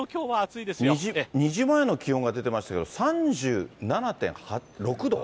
２時前の気温が出てましたけど、３７．６度？